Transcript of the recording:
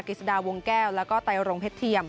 กิจสดาวงแก้วแล้วก็ไตรรงเพชรเทียม